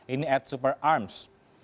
ini at super arms